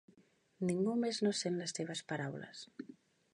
Ningú més no sent les seves paraules.